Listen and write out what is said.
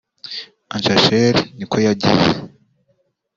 Anschaire Nikoyagize